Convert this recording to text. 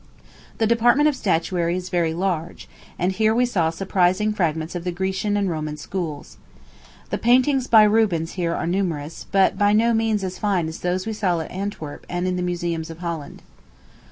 The department of statuary is very large; and here we saw surprising fragments of the Grecian and Roman schools. The paintings by Rubens here are numerous, but by no means as fine as those we saw at Antwerp and in the museums of Holland.